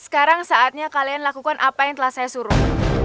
sekarang saatnya kalian lakukan apa yang telah saya suruh